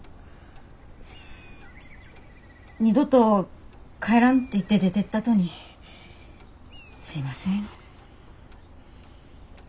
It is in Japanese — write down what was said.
二度と帰らんって言って出てったとにすいません。